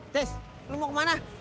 cis lo mau kemana